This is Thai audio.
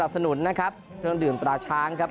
สนุนนะครับเครื่องดื่มตราช้างครับ